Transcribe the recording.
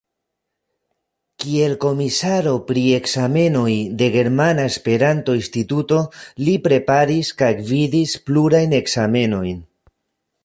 Kiel komisaro pri ekzamenoj de Germana Esperanto-Instituto li preparis kaj gvidis plurajn ekzamenojn.